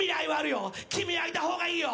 君はいた方がいいよ。